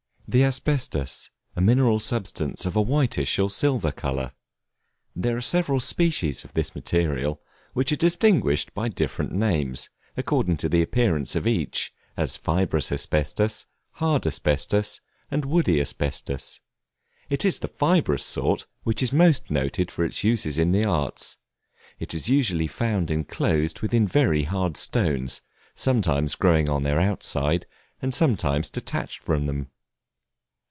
The Asbestus, a mineral substance of a whitish or silver color. There are several species of this mineral, which are distinguished by different names, according to the appearance of each, as fibrous asbestus, hard asbestus, and woody asbestus; it is the fibrous sort which is most noted for its uses in the arts. It is usually found inclosed within very hard stones; sometimes growing on their outside, and sometimes detached from them.